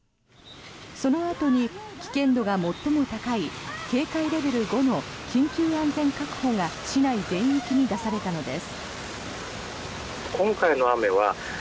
そのあとに危険度が最も高い警戒レベル５の緊急安全確保が市内全域に出されたのです。